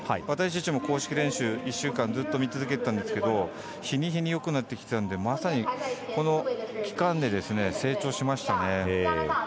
私たちも公式練習１週間ずっと見続けてたんですけど日に日によくなってきてたのでまさに、この期間で成長しましたね。